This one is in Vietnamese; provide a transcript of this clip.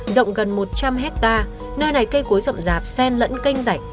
rộng gần một trăm linh hectare nơi này cây cối rộm rạp sen lẫn canh rảnh